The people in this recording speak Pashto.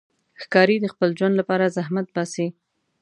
ښکاري د خپل ژوند لپاره زحمت باسي.